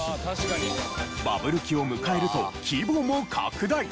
バブル期を迎えると規模も拡大。